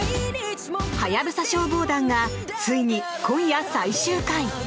「ハヤブサ消防団」がついに今夜最終回。